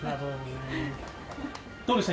どうでした？